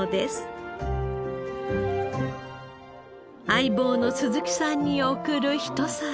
相棒の鈴木さんに送る一皿。